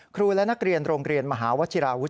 ครูและนักเรียนโรงเรียนมหาวชิราวุฒ